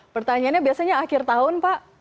pertanyaannya biasanya akhir tahun pak